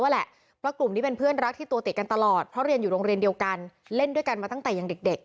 เห็นติดค้าต่อซีฟูหายมาบึง